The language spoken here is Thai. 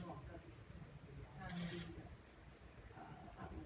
น้องเติมหน่อยก็ได้